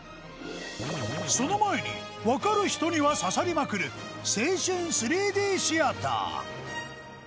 その前にわかる人には刺さりまくる青春 ３Ｄ シアター